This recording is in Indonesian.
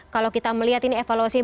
kalau kita melihat ini evaluasi